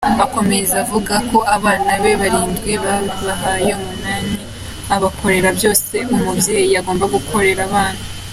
Akomeza avuga ko abana be barindwi yabahaye umunani, akabakorera byose umubyeyi agomba gukorera abana.